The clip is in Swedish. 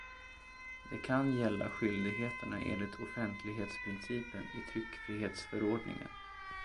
Det kan gälla skyldigheterna enligt offentlighetsprincipen i tryckfrihetsförordningen.